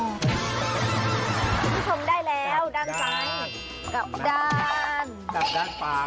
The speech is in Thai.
พี่ชมได้แล้วด้านซ้าย